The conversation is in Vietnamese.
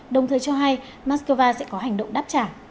đồng thời cho hay mắc cơ va sẽ có hành động đáp trả